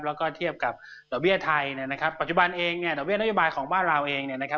แล้วก็เทียบกับดอกเบี้ยไทยเนี่ยนะครับปัจจุบันเองเนี่ยดอกเบี้นโยบายของบ้านเราเองเนี่ยนะครับ